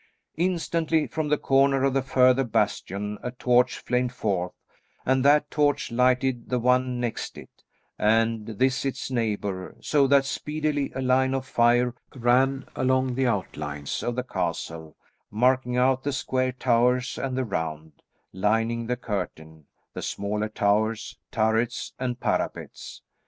Instantly from the corner of the further bastion a torch flamed forth, and that torch lighted the one next it, and this its neighbour, so that speedily a line of fire ran along the outlines of the castle, marking out the square towers and the round, lining the curtain, the smaller towers, turrets and parapets.